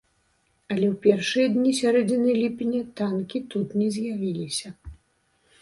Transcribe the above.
Але ў першыя дні сярэдзіны ліпеня танкі тут не з'явіліся.